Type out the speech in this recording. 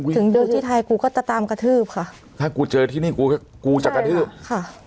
ถึงเดินที่ไทยกูก็จะตามกระทืบค่ะถ้ากูเจอที่นี่กูก็กูจะกระทืบค่ะ